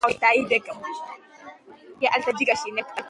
د مېوو ډکې ونې د طبیعت هغه ډالۍ ده چې انسان یې پالي.